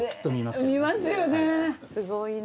すごいな。